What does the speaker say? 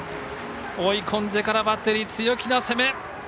追い込んでからバッテリー強気な攻め！